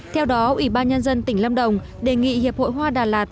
theo đó ủy ban nhân dân tỉnh lâm đồng đề nghị hiệp hội hoa đà lạt